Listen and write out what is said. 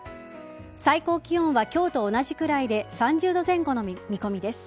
最高気温は今日と同じくらいで３０度前後の見込みです。